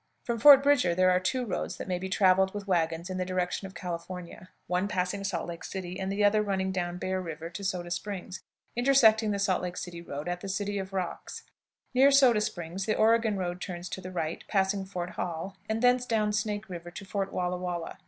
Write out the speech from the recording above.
From Fort Bridger there are two roads that may be traveled with wagons in the direction of California; one passing Salt Lake City, and the other running down Bear River to Soda Springs, intersecting the Salt Lake City road at the City of Rocks. Near Soda Springs the Oregon road turns to the right, passing Fort Hall, and thence down Snake River to Fort Wallah Wallah.